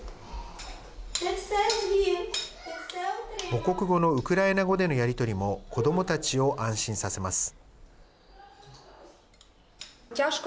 母国語のウクライナ語でのやり取りも子どもたちを安心させます。